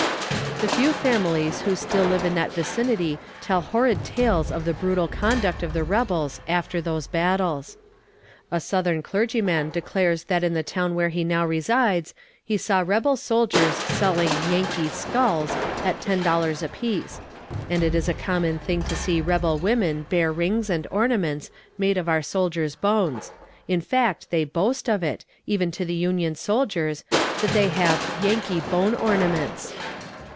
The few families who still live in that vicinity tell horrid stories of the brutal conduct of the rebels after those battles. A Southern clergyman declares that in the town where he now resides he saw rebel soldiers selling "Yankee skulls" at ten dollars apiece. And it is a common thing to see rebel women wear rings and ornaments made of our soldiers' bones in fact they boast of it, even to the Union soldiers, that they have "Yankee bone ornaments."